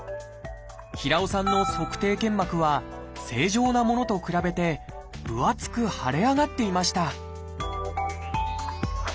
平尾さんの足底腱膜は正常なものと比べて分厚く腫れ上がっていました